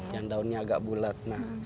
yang daunnya agak bulat